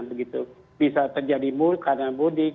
bisa terjadi di mall karena mudik